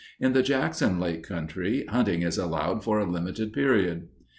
In the Jackson Lake country, hunting is allowed for a limited period.